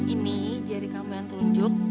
ini jari kamu yang tunjuk